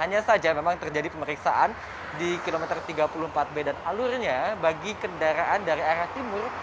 hanya saja memang terjadi pemeriksaan di kilometer tiga puluh empat beda alurnya bagi kendaraan dari arah timur